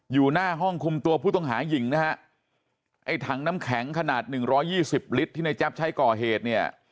อยู่หน้าห้องคุมตัวผู้ต้องหาหญิงนะฮะไอ้ถังน้ำแข็งขนาดหนึ่งร้อยยี่สิบลิตรที่ในแจ๊บใช้ก่อเหตุเนี่ย